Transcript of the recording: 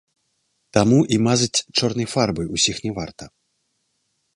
Таму і мазаць чорнай фарбай усіх не варта.